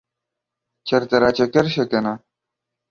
چرته راچکر شه کنه